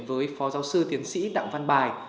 với phó giáo sư tiến sĩ đặng văn bài